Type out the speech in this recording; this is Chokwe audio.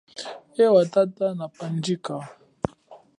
Ewa tata na pandjika.